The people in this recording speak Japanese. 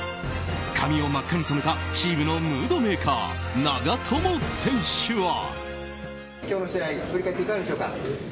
髪を真っ赤に染めたチームのムードメーカー長友選手は。